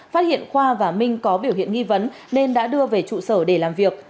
phát hiện khoa và minh có biểu hiện nghi vấn nên đã đưa về trụ sở để làm việc